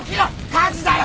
火事だよ！